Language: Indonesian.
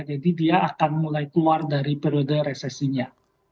jadi dia akan mulai keluar dari periode resesinya